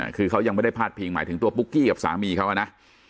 คือเขายังไม่ได้พาดพิงหมายถึงตัวปุ๊กกี้กับสามีเขานะ